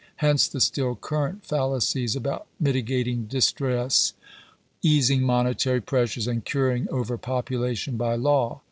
Hence, the still current fallacies about mitigating distress, easing monetary pressures, and curing over population by law.